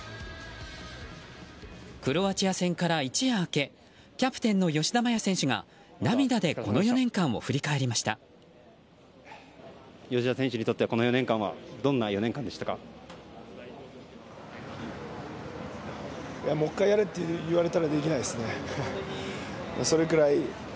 クロアチア戦から一夜明けキャプテンの吉田麻也選手が涙でこの４年間を振り返りました。